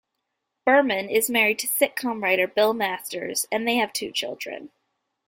Berman is married to sitcom writer Bill Masters and they have two children.